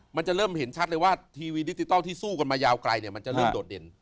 มันจะเริ่มเห็นชัดเลยว่าทีวีดิจิทัลที่สู้กันมายาวไกลเนี่ยมันจะเริ่มโดดเด่น